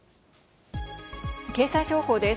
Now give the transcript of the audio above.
経済情報です。